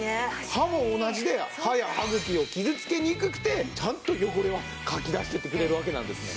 歯も同じで歯や歯茎を傷つけにくくてちゃんと汚れをかき出していってくれるわけなんですね。